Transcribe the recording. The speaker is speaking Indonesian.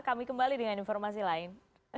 kami kembali dengan informasi lain